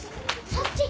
そっち！